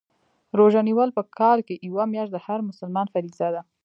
روژه نیول په کال کي یوه میاشت د هر مسلمان فریضه ده